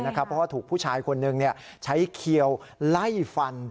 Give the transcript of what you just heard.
เพราะว่าถูกผู้ชายคนหนึ่งใช้เขียวไล่ฟัน